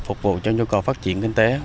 phục vụ cho nhu cầu phát triển kinh tế